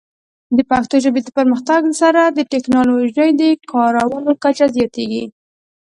د پښتو ژبې د پرمختګ سره، د ټیکنالوجۍ د کارولو کچه زیاتېږي.